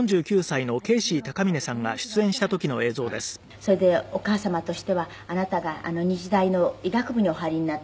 それでお母様としてはあなたが日大の医学部にお入りになったので最初に。